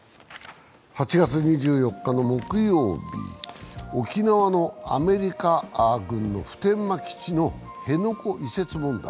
８月２４日の木曜日、沖縄のアメリカ軍の普天間基地の辺野古移設問題。